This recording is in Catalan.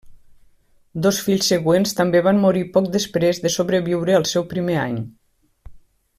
Dos fills següents també van morir poc després de sobreviure al seu primer any.